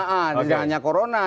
iya tidak hanya corona